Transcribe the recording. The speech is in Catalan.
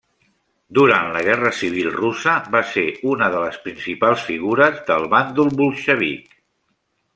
Durant la Guerra Civil Russa va ser una de les principals figures del bàndol bolxevic.